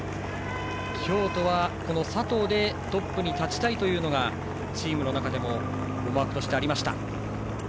京都は、この佐藤でトップに立ちたいというのがチームの中でも思惑としてありました。